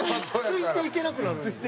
ついていけなくなる。